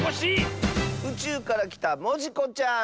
うちゅうからきたモジコちゃん！